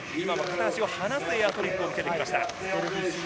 片足を離すエアトリックを見せました。